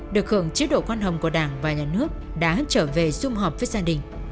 được khưởng chế độ quan hồng của đảng và nhà nước đã trở về xung họp với gia đình